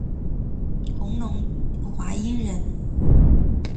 弘农华阴人。